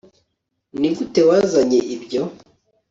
nigute wazanye ibyo